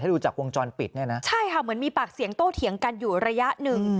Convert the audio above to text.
ดูจากวงจรปิดเนี่ยนะใช่ค่ะเหมือนมีปากเสียงโต้เถียงกันอยู่ระยะหนึ่ง